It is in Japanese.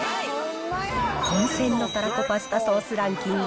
混戦のたらこパスタソースランキング